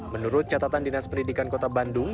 menurut catatan dinas pendidikan kota bandung